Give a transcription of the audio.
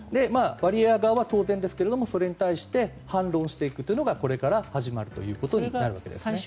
ワリエワ側は当然ですがそれに対して反論していくというのがこれから始まるということになるわけです。